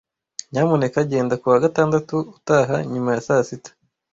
Nyamuneka genda kuwa gatandatu utaha nyuma ya saa sita.